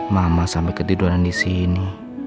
mama sampai ketiduran disini